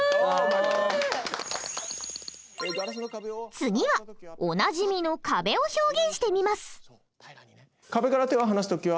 次はおなじみの壁を表現してみます。